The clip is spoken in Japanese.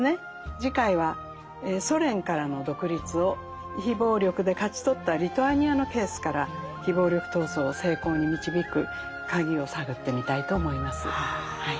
次回はソ連からの独立を非暴力で勝ち取ったリトアニアのケースから非暴力闘争を成功に導く鍵を探ってみたいと思います。